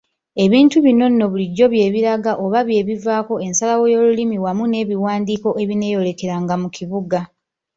Ebintu bino nno bulijjo bye biraga oba bye bivaako ensalawo y'olulimi wamu n'ebiwandiiko ebineeyolekeranga mu bibuga.